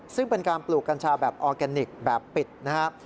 ซึ่งเป็นการปลูกกัญชาแบบออร์แกนิคแบบปิดนะครับ